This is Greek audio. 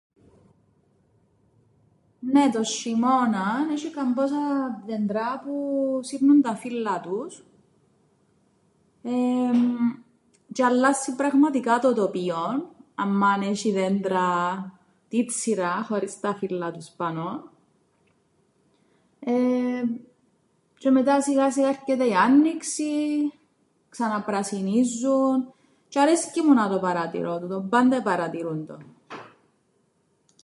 Νναι, τον σ̆ειμώναν έσ̆ει καμπόσα δεντρά που σύρνουν τα φύλλα τους τžαι αλλάσσει πραγματικά το τοπίον άμμαν έσ̆ει δεντρά τίτσιρα χωρίς τα φύλλα τους πάνω εεε τžαι μετά σιγά σιγά έρκεται η άννοιξη, ξαναπρασινίζουν τžαι αρέσκει μου να το παρατηρώ τούτον, πάντα επαρατήρουν το.